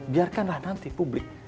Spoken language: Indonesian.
biarkanlah nanti publik